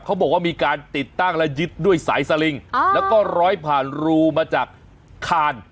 เขาบอกว่ามีการติดตั้งและยึดด้วยสายสลิงแล้วก็ร้อยผ่านรูมาจากคาน